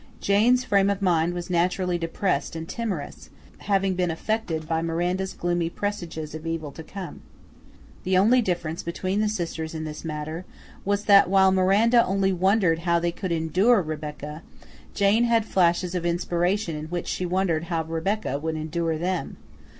Jane's frame of mind was naturally depressed and timorous, having been affected by Miranda's gloomy presages of evil to come. The only difference between the sisters in this matter was that while Miranda only wondered how they could endure Rebecca, Jane had flashes of inspiration in which she wondered how Rebecca would endure them.